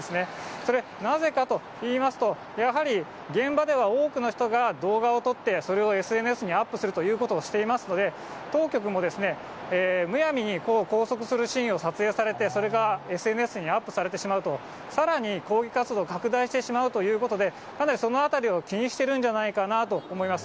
それはなぜかといいますと、やはり現場では、多くの人が動画を撮って、それをＳＮＳにアップするということをしていますので、当局もですね、むやみに拘束するシーンを撮影されて、それがＳＮＳにアップされてしまうと、さらに抗議活動を拡大してしまうということで、そのあたりを気にしてるんじゃないかなと思います。